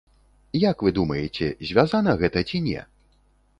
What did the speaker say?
Як вы думаеце, звязана гэта ці не?